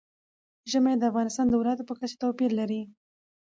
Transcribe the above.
ژمی د افغانستان د ولایاتو په کچه توپیر لري.